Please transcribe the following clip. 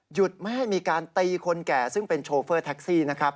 ไม่ให้มีการตีคนแก่ซึ่งเป็นโชเฟอร์แท็กซี่นะครับ